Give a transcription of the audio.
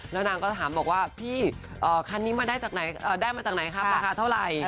แล้วนางก็ถามบอกว่าพี่คันนี้ได้มาจากไหนประคาเท่าไหร่